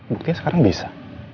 buktinya sekarang bisa